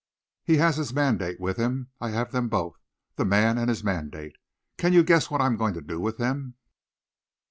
He has his mandate with him. I have them both the man and his mandate. Can you guess what I am going to do with them?"